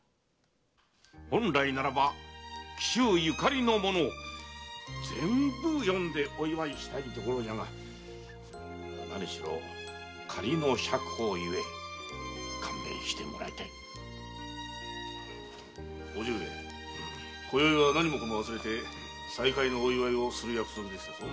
本来なら紀州ゆかりの者を全部呼んでお祝いしたいが何しろ仮の釈放ゆえ勘弁してもらいたい。叔父上今宵は何もかも忘れて再会のお祝いをする約束でしたぞ。